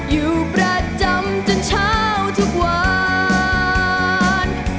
อยู่ประจำจนเช้าทุกวัน